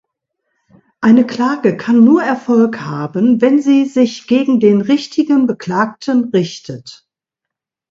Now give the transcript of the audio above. Eine Klage kann nur Erfolg haben, wenn sie sich gegen den richtigen Beklagten richtet.